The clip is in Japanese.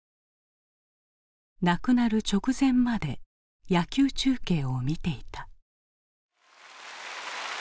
亡くなる直前まで野球中継を見ていた。